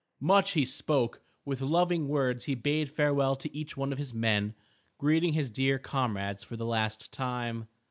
Much he spoke. With loving words he bade farewell to each one of his men, greeting his dear comrades for the last time.